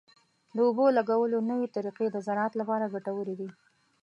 د اوبو لګولو نوې طریقې د زراعت لپاره ګټورې دي.